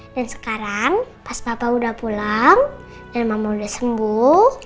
dan sekarang pas papa udah pulang dan mama udah sembuh